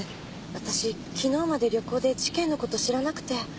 私昨日まで旅行で事件のこと知らなくて。